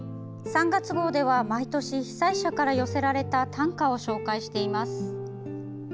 ３月号では、毎年被災者から寄せられた短歌を紹介しています。